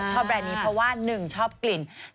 แบรนด์นี้เพราะว่า๑ชอบกลิ่น